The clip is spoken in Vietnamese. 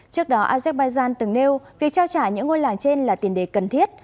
trước đó azerbaijan từng nêu việc trao trả những ngôi làng trên là tiền đề cần thiết